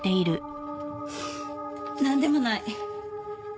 なんでもない。